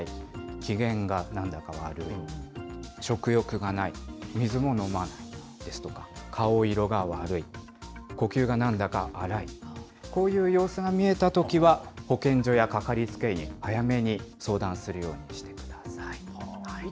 機嫌がなんだか悪い、食欲がない、水も飲まないですとか、顔色が悪い、呼吸がなんだか荒い、こういう様子が見えたときは、保健所やかかりつけ医に早めに相談するようにしてください。